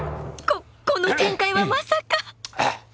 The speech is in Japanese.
ここの展開はまさか！？